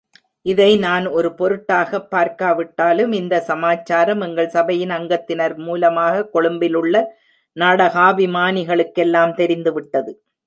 இதை நான் ஒரு பொருட்டாகப் பாராட்டாவிட்டாலும், இந்த சமாச்சாரம் எங்கள் சபையின் அங்கத்தினர் மூலமாகக் கொழும்பிலுள்ள நாடாகாபிமானிகளுக்கெல்லாம் தெரிந்துவிட்டது.